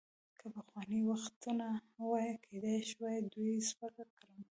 که پخواني وختونه وای، کیدای شوای دوی سپک کړم.